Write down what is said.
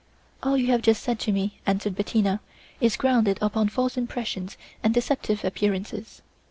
"All you have just said to me," answered Bettina, "is grounded upon false impressions and deceptive appearances.